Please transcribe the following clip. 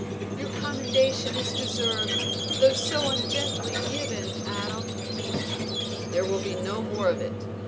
"Your commendation is deserved, though so ungently given, Adam." "There will be no more of it.